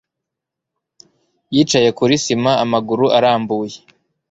Yicaye kuri sima amaguru arambuye.